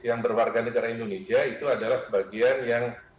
yang berwarga negara indonesia itu adalah sebagian yang